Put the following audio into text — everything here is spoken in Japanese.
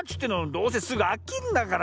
どうせすぐあきんだから。